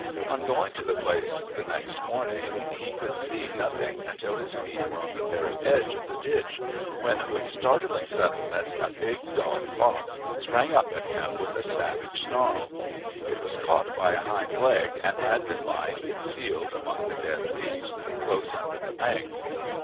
On going to the place the next morning he could see nothing until his feet were on the very edge of the ditch, when with startling suddenness a big dog fox sprang up at him with a savage snarl. It was caught by a hind leg, and had been lying concealed among the dead leaves close under the bank.